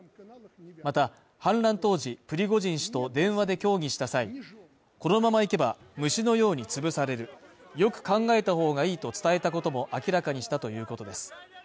また、反乱当時、プリゴジン氏と電話で協議した際、このままいけば、虫のように潰されるよく考えた方がいいと伝えたことも明らかにしたということです。